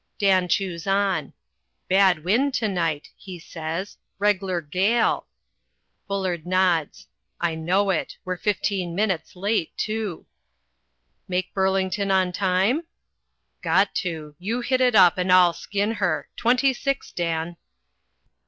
Dan chews on. "Bad wind to night," he says; "reg'lar gale." Bullard nods. "I know it; we're fifteen minutes late, too." "Make Burlington on time?" "Got to: you hit it up, and I'll skin her. Twenty six, Dan."